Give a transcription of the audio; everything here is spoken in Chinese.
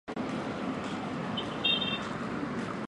垃圾广告软件是一种由垃圾邮件发送者设计的软件。